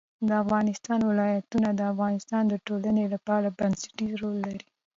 د افغانستان ولايتونه د افغانستان د ټولنې لپاره بنسټيز رول لري.